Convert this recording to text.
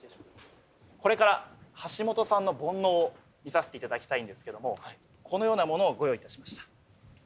これから橋本さんの煩悩を見させていただきたいんですけどもこのようなものをご用意いたしました。